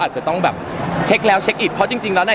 เช็คแล้วเช็คอีทเพราะว่าจริงแล้วใน